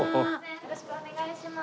よろしくお願いします。